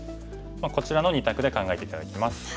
こちらの２択で考えて頂きます。